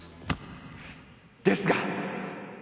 ですが。